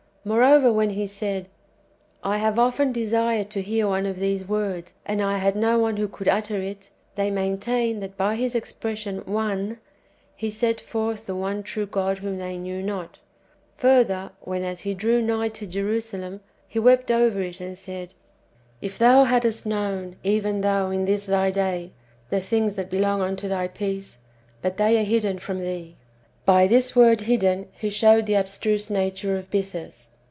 Moreover, when He said, " I have often desired to hear one of these words, and I had no one who could utter it," " they maintain, that by this expression ^' one " He set forth the one true God wdiom they knew not. Further, when, as He drew nigh to Jerusalem, He wept over it and said, " If thou hadst known, even thou, in this thy day, the things that belong unto thy peace, but they are hidden from thee," '^ by this word '^ hidden " He showed the abstruse nature of Bythus.